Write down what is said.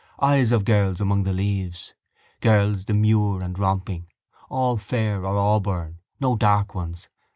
Eyes of girls among the leaves. Girls demure and romping. All fair or auburn: no dark ones.